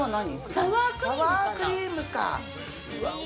サワークリームかな？